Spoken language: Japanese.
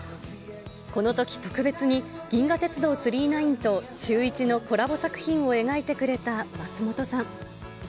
このとき特別に、銀河鉄道９９９とシューイチのコラボ作品を描いてくれた松本さん。